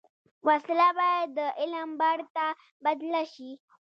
وسله باید د علم بڼ ته بدله شي